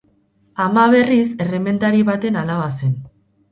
Ama, berriz, errementari baten alaba zen.